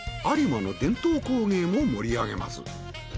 有馬の伝統工芸も盛り上げます。